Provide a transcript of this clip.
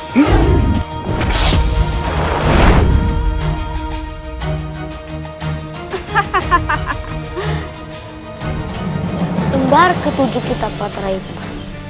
sembar ketujuh kitab patrihikma